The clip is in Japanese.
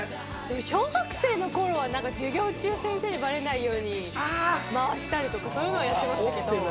小学生の頃は授業中に先生にばれないように回したりとか、そういうのはやってました。